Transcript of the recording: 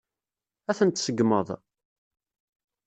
Ad ten-tseggmeḍ?